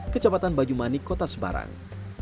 kecepatan banyumani kota semarang